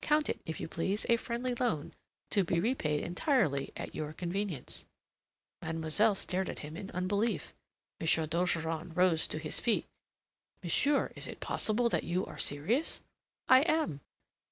Count it, if you please, a friendly loan to be repaid entirely at your convenience." Mademoiselle stared at him in unbelief. M. d'Ogeron rose to his feet. "Monsieur, is it possible that you are serious?" "I am.